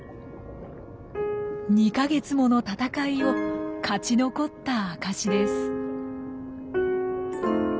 ２か月もの戦いを勝ち残った証しです。